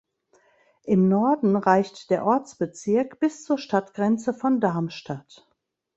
Im Norden reicht der Ortsbezirk bis zur Stadtgrenze von Darmstadt.